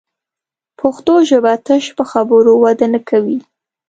پښتو ژبه تش په خبرو وده نه کوي